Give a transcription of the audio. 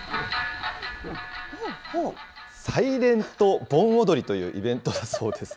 サイレント盆踊りというイベントだそうです。